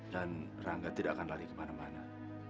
dan rangga tidak akan lari kemana mana